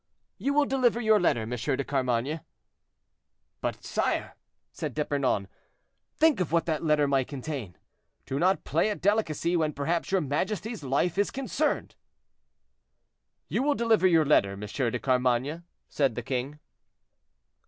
You will deliver your letter, M. de Carmainges." "But, sire," said D'Epernon, "think of what that letter may contain. Do not play at delicacy, when, perhaps, your majesty's life is concerned." "You will deliver your letter, M. de Carmainges," said the king.